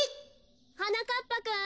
・はなかっぱくん。